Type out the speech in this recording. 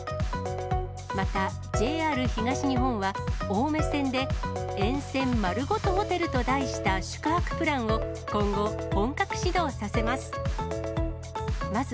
また、ＪＲ東日本は、青梅線で、沿線まるごとホテルと題した宿泊プランを、今後、本格始動させます。